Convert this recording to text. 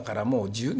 １０年